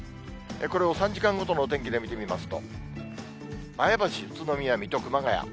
これを３時間ごとのお天気で見てみますと、前橋、宇都宮、水戸、熊谷。